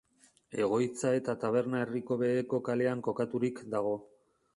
Egoitza eta taberna herriko Beheko kalean kokaturik dago.